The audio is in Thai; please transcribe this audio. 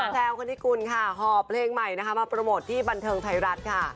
แพลวคณิกุลค่ะห่อเพลงใหม่นะคะมาโปรโมทที่บันเทิงไทยรัฐค่ะ